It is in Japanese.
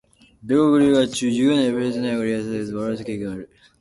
米国留学中、授業内プレゼンで内容が理解されず笑われた経験がある。